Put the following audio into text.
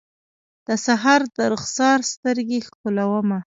د سحر درخسار سترګې ښکلومه